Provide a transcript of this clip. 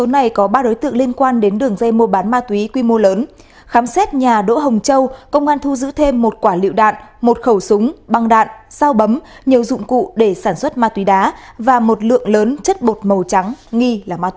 hãy đăng ký kênh để ủng hộ kênh của chúng mình nhé